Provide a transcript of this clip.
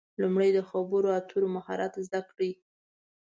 لومړی د خبرو اترو مهارت زده کړئ.